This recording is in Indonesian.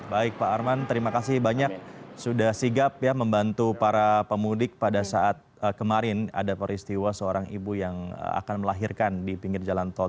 baik pak arman terima kasih banyak sudah sigap ya membantu para pemudik pada saat kemarin ada peristiwa seorang ibu yang akan melahirkan di pinggir jalan tol